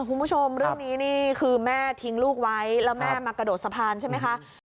คุณผู้ชมเรื่องนี้นี่คือแม่ทิ้งลูกไว้แล้วแม่มากระโดดสะพานใช่ไหมคะ